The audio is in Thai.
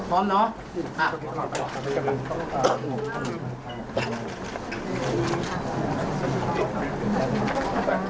พร้อมแล้วเลยค่ะ